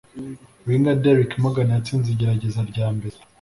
Winger Derrick Morgan yatsinze igerageza ryambere